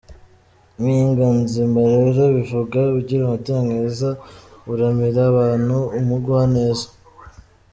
Mpinganzima rero bivuga ugira umutima mwiza, uramira abantu, Umugwaneza.